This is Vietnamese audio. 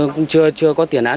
cũng chưa có tiền án